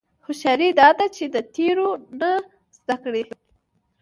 هوښیاري دا ده چې د تېرو نه زده کړې.